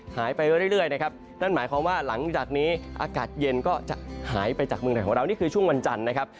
หายไปเรื่อยนะครับนั่นหมายความว่าหลังจากนี้อากาศเย็นก็จะหายไปจากเมืองไทยของเรานี่คือช่วงวันจันทร์นะครับ